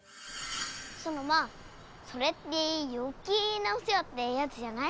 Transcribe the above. ソノマそれってよけいなおせわってやつじゃない？